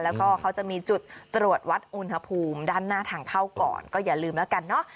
แล้วก็เขาจะมีจุดตรวจวัดอุณหภูมิด้านหน้าทางเข้าก่อนก็อย่าลืมแล้วกันเนอะ